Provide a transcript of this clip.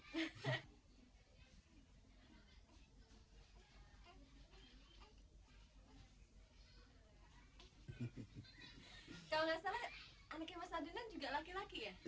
kalau gak salah anaknya wassada nunan juga laki laki ya